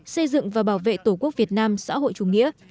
xây dựng và bảo vệ tổ quốc việt nam xã hội chủ nghĩa